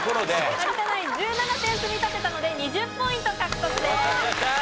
有田ナイン１７点積み立てたので２０ポイント獲得です。